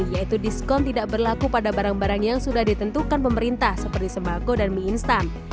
yaitu diskon tidak berlaku pada barang barang yang sudah ditentukan pemerintah seperti sembako dan mie instan